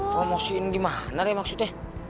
promosiin gimana deh maksudnya